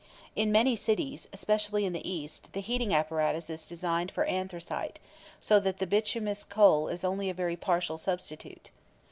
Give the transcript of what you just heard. In many cities, especially in the East, the heating apparatus is designed for anthracite, so that the bituminous coal is only a very partial substitute.